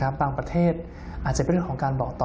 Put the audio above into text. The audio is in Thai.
ต่างประเทศอาจจะเป็นเรื่องของการบอกต่อ